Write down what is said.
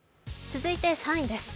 続いて３位です。